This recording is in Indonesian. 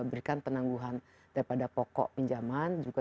berikan penangguhan daripada pokok pinjaman juga